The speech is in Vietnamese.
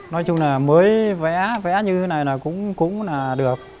nói chung là mới vẽ vẽ như thế này là cũng là được